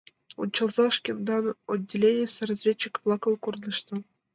— Ончалза шкендан отделенийысе разведчик-влакын корныштым.